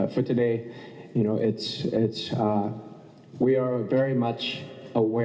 คุณทศก่อนครับ